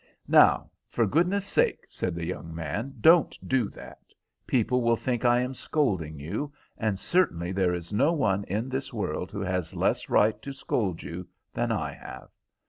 "Now, for goodness sake," said the young man, "don't do that. People will think I am scolding you, and certainly there is no one in this world who has less right to scold you than I have."